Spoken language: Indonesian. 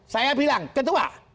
saya bilang ketua